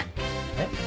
えっ？